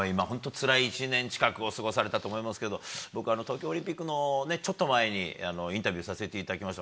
つらい１年近くを過ごされたと思いますけど僕、東京オリンピックのちょっと前にインタビューさせていただきました。